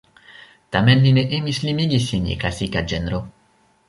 Tamen li ne emis limigi sin je klasika ĝenro.